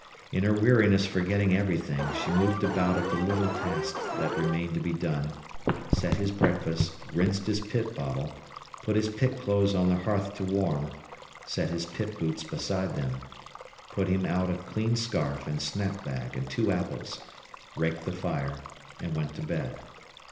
In her weariness forgetting everything, she moved about at the little tasks that remained to be done, set his breakfast, rinsed his pit bottle, put his pit clothes on the hearth to warm, set his pit boots beside them, put him out a clean scarf and snap bag and two apples, raked the fire, and went to bed.